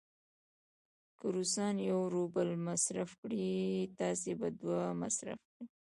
که روسان یو روبل مصرف کړي، تاسې به دوه مصرف کړئ.